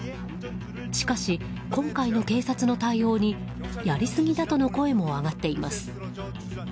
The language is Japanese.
しかし、今回の警察の対応にやりすぎだとの声も上がっています。